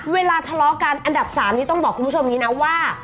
เวลาทะเลาะกันอันดับ๓นี้ต้องบอกคุณผู้ชมอย่างนี้นะว่า